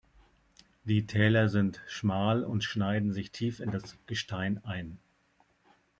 Die Täler sind schmal und schneiden sich tief in das Gestein ein.